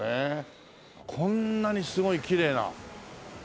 こんなにすごいきれいな。